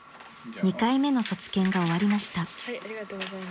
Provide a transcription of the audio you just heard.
２回目の卒検が終わりました］